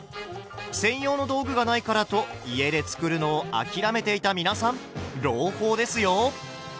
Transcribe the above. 専用の道具がないからと家で作るのを諦めていた皆さん朗報ですよ！